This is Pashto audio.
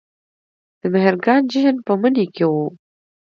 د مهرګان جشن په مني کې و